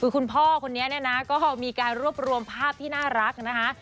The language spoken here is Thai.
คือคุณพ่อคนนี้เนี่ยนะก็มีการรวบรวมภาพที่น่ารักนะคะ